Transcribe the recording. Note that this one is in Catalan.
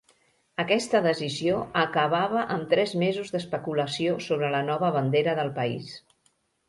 Aquesta decisió acabava amb tres mesos d'especulació sobre la nova bandera del país.